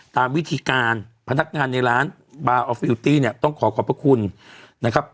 ตามวิธีการพนักงานในร้านบาร์ออฟฟิลตี้เนี่ยต้องขอขอบพระคุณนะครับ